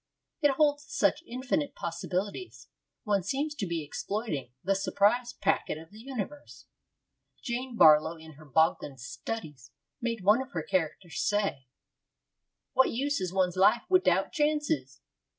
It holds such infinite possibilities. One seems to be exploiting the surprise packet of the universe. Jane Barlow, in her Bogland Studies, makes one of her characters say: What use is one's life widout chances?